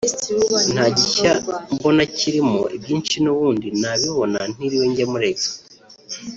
nta gishya mbona kirimo ibyinshi n’ubundi nabibona ntiriwe njya muri Expo